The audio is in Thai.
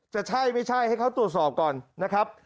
จะใช่ไม่ใช่ให้เขาตรวจสอบก่อนนะครับ